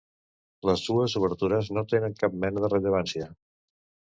Les dues obertures no tenen cap mena de rellevància.